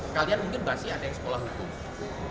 kalian mungkin masih ada yang sekolah hukum